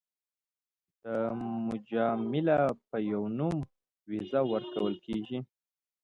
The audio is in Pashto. د مجامله په نوم ویزه ورکول کېږي.